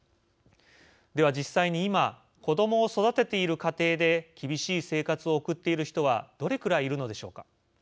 では、実際に今子どもを育てている家庭で厳しい生活を送っている人はどれくらい、いるのでしょうか。